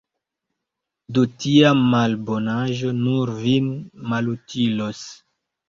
Do tia malbonaĵo nur vin malutilos.